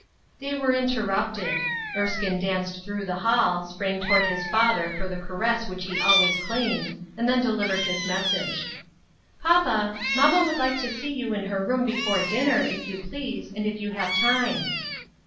They were interrupted ; Erskine danced through the hall, sprang toward his father for the caress which he always claimed, and then delivered his message. " Papa, mamma would like to see you in her room before dinner, if you please, and if you have time."